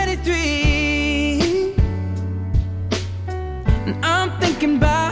มีข้อผิดผลเยอะมาก